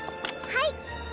はい！